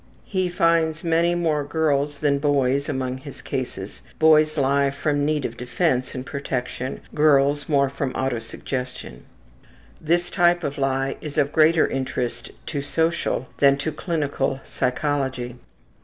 He finds many more girls than boys among his cases; boys lie from need of defense and protection, girls more from autosuggestion. This type of lie is of greater interest to social than to clinical psychology.